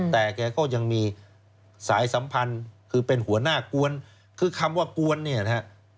แต่แกก็ยังมีสายสัมพันธ์คือเป็นหัวหน้ากวนคือคำว่ากวนเนี่ยนะฮะ